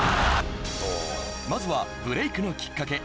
まずはブレイクのきっかけ